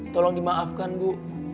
tolong dimaafkan bu